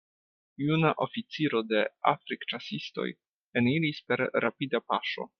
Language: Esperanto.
Juna oficiro de Afrikĉasistoj eniris per rapida paŝo.